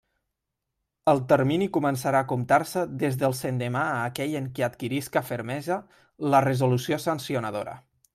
El termini començarà a comptar-se des del sendemà a aquell en què adquirisca fermesa la resolució sancionadora.